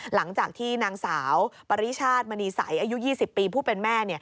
หลังจากที่นางสาวปริชาติมณีใสอายุ๒๐ปีผู้เป็นแม่